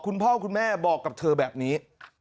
คุณพ่อคุณแม่บอกกับเธอแบบนี้